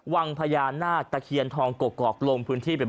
ท่านพรุ่งนี้ไม่แน่ครับ